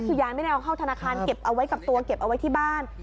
คือยายไม่ได้เอาเข้าธนาคารเก็บเอาไว้กับตัวเก็บเอาไว้ที่บ้าน